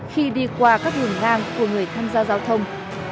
khi đi qua các đường ngang của người tham gia giao thông